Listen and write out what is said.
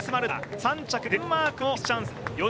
３着、デンマークのクリスチャンセン。